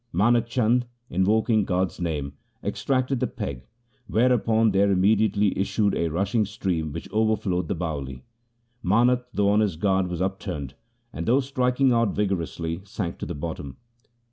Manak Chand, invoking God's name, extracted the peg, whereupon there immediately issued a rush ing stream which overflowed the Bawali. Manak, though on his guard, was upturned, and though striking out vigorously sank to the bottom.